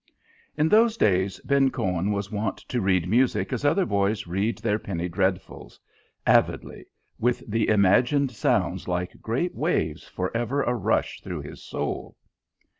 In those days Ben Cohen was wont to read music as other boys read their penny dreadfuls, avidly, with the imagined sounds like great waves for ever a rush through his soul.